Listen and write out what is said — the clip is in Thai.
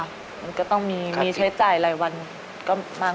มันก็ต้องมีใช้จ่ายหลายวัน